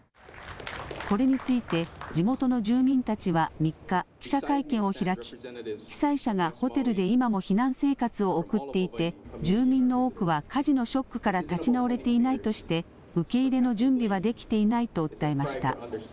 これについて、地元の住民たちは３日、記者会見を開き、被災者がホテルで今も避難生活を送っていて、住民の多くは火事のショックから立ち直れていないとして、受け入れの準備はできていないと訴えました。